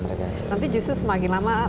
nanti justru semakin lama